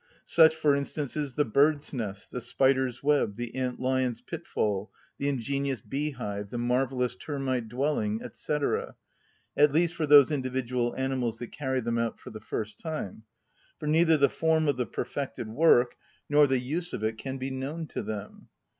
Such, for instance, is the bird's nest, the spider's web, the ant‐lion's pitfall, the ingenious bee‐hive, the marvellous termite dwelling, &c., at least for those individual animals that carry them out for the first time; for neither the form of the perfected work nor the use of it can be known to them.